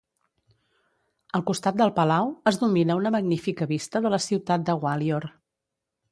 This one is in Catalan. Al costat del palau es domina una magnífica vista de la ciutat de Gwalior.